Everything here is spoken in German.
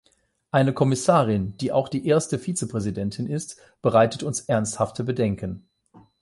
Eine Kommissarin, die auch die erste Vizepräsidentin ist, bereitet uns ernsthafte Bedenken.